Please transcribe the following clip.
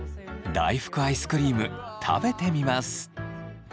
大福アイスクリーム食べてみます。